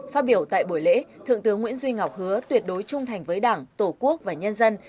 phát biểu tại buổi lễ thượng tướng nguyễn duy ngọc hứa tuyệt đối trung thành với đảng tổ quốc và nhân dân